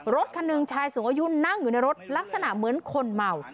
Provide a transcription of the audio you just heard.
รถคันหนึ่งชายสูงอายุนั่งอยู่ในรถลักษณะเหมือนคนเมา